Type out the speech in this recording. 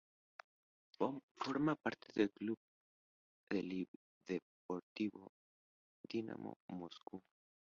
Forma parte del club polideportivo Dinamo Moscú.